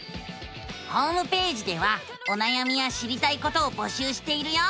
ホームページではおなやみや知りたいことを募集しているよ！